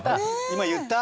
今言った？